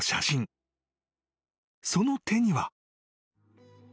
［その手には］